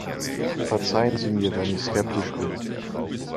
Verzeihen Sie mir, wenn ich skeptisch bin.